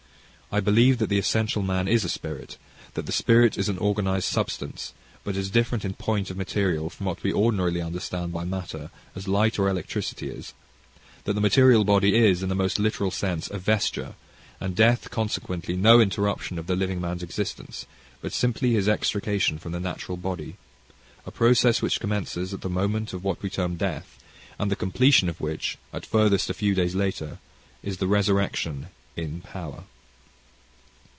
I believe that the essential man is a spirit, that the spirit is an organised substance, but as different in point of material from what we ordinarily understand by matter, as light or electricity is; that the material body is, in the most literal sense, a vesture, and death consequently no interruption of the living man's existence, but simply his extrication from the natural body a process which commences at the moment of what we term death, and the completion of which, at furthest a few days later, is the resurrection "in power."